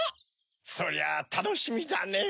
そりゃあたのしみだねぇ。